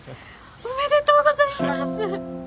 おめでとうございます。